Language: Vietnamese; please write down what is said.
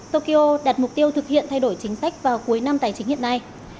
tokyo đặt mục tiêu thực hiện thay đổi chính sách vào cuối năm tài chính hiện nay